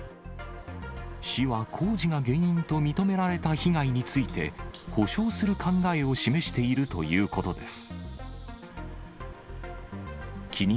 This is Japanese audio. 市は工事が原因と認められた被害について、補償する考えを示しているということです。